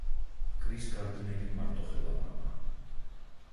კრის გარდნერი მარტოხელა მამაა.